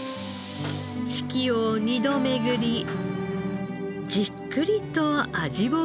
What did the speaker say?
四季を２度巡りじっくりと味を深めた豆味噌です。